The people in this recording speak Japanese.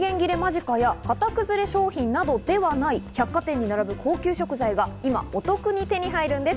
賞味期限切れ間近や型崩れ商品などではない百貨店に並ぶ高級食材が今、お得に手に入るんです。